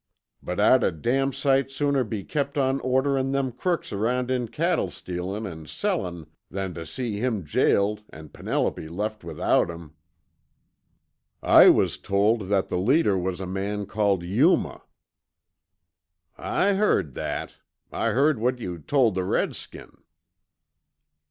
But I'd a damn sight sooner he kept on orderin' them crooks around in cattle stealin' an' sellin' than tuh see him jailed an' Penelope left without him." "I was told that the leader was a man called 'Yuma.'" "I heard that. I heard what you told the redskin."